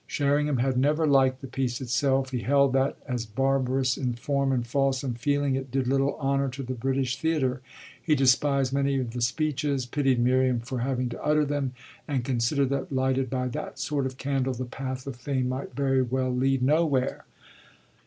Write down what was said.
Sherringham had never liked the piece itself; he held that as barbarous in form and false in feeling it did little honour to the British theatre; he despised many of the speeches, pitied Miriam for having to utter them, and considered that, lighted by that sort of candle, the path of fame might very well lead nowhere.